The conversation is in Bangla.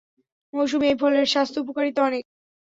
মৌসুমি এই ফলের স্বাস্থ্য উপকারিতা অনেক।